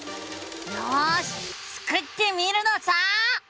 よしスクってみるのさ！